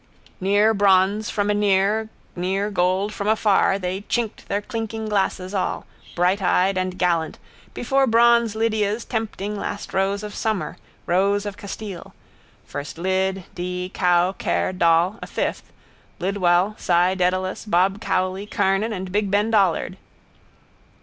Near bronze from anear near gold from afar they chinked their clinking glasses all, brighteyed and gallant, before bronze Lydia's tempting last rose of summer, rose of Castile. First Lid, De, Cow, Ker, Doll, a fifth: Lidwell, Si Dedalus, Bob Cowley, Kernan and big Ben Dollard.